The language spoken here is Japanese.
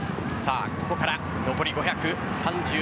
ここから残り５３３ｍ。